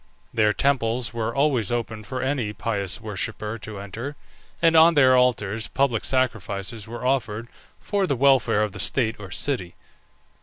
Their temples were always open for any pious worshipper to enter, and on their altars public sacrifices were offered for the welfare of the state or city.